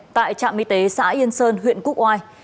tại trạm y tế xã yên sơn huyện quốc oai